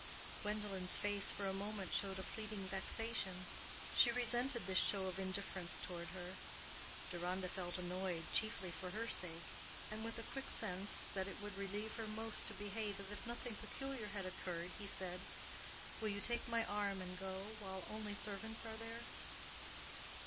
Gwendolen's face for a moment showed a fleeting vexation: she resented this show of indifference toward her. Deronda felt annoyed, chiefly for her sake; and with a quick sense, that it would relieve her most to behave as if nothing peculiar had occurred, he said, "Will you take my arm and go, while only servants are there?"